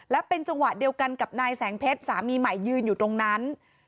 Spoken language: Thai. และเป็นจังหวะเดียวกันกับนายแสงเพชรสามีใหม่ยืนอยู่ตรงนั้น